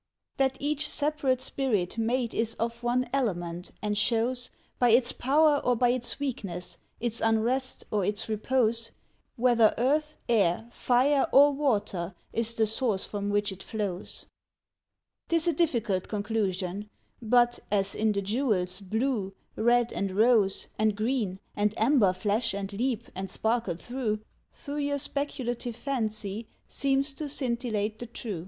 That each separate spirit made is of one element, and shows, By its power or by its weakness, its unrest or its repose, Whether earth, air, fire, or water is the Source from which it flows ? 'T is a difficult conclusion ; but, as in the jewel's blue, Red and rose and green and amber flash and leap and sparkle through, Through your speculative fancy seems to scintillate the true.